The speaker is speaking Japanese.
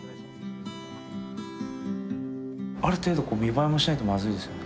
ある程度こう見栄えもしないとまずいですよね。